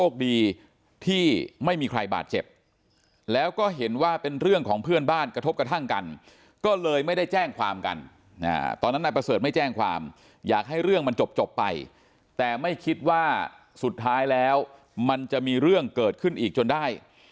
ตอนนั้นนายประเสริฐไม่แจ้งความอยากให้เรื่องมันจบไปแต่ไม่คิดว่าสุดท้ายแล้วมันจะมีเรื่องเกิดขึ้นอีกจนได้